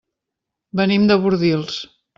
Venim de Bordils.